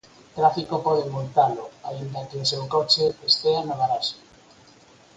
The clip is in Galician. Tráfico pode multalo, aínda que o seu coche estea no garaxe.